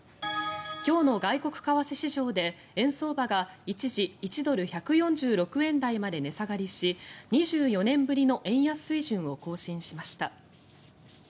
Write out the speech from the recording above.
今日の外国為替市場で円相場が一時、１ドル＝１４６円台まで値下がりし２４年ぶりの円安水準を更新しました。